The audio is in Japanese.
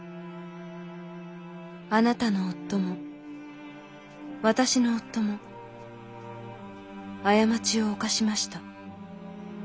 「あなたの夫も私の夫も過ちを犯しました。